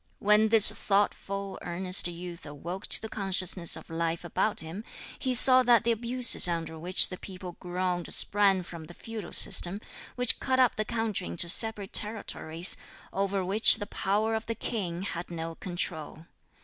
When this thoughtful, earnest youth awoke to the consciousness of life about him, he saw that the abuses under which the people groaned sprang from the feudal system, which cut up the country into separate territories, over which the power of the king had no control.